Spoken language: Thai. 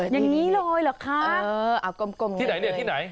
อย่างนี้เลยเหรอคะ